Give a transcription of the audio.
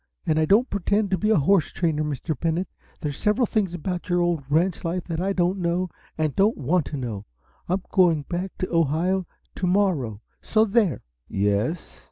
And I don't pretend to be a horse trainer, Mr. Bennett. There's several things about your old ranch life that I don't know and don't want to know! I'm going back to Ohio to morrow, so there!" "Yes?"